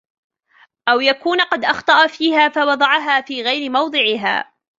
أَوْ يَكُونَ قَدْ أَخْطَأَ فِيهَا فَوَضَعَهَا فِي غَيْرِ مَوْضِعِهَا